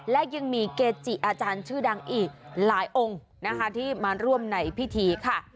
และยังมีเกจิอาจารย์ชื่อดังอีกหลายองค์นะคะที่มาร่วมในพิธีค่ะ